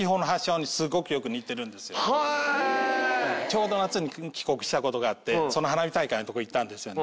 ちょうど夏に帰国したことがあって花火大会のとこ行ったんですよ。